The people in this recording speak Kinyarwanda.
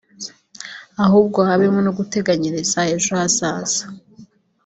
ahubwo habemo no guteganyiriza ejo hazaza